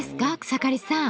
草刈さん。